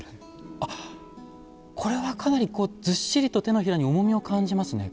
あっこれはかなりずっしりと手のひらに重みを感じますね。